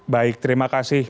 baik terima kasih